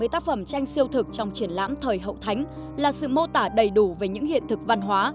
một mươi tác phẩm tranh siêu thực trong triển lãm thời hậu thánh là sự mô tả đầy đủ về những hiện thực văn hóa